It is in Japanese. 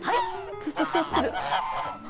ずっとすわってる。